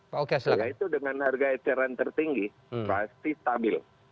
setelah itu dengan harga eceran tertinggi pasti stabil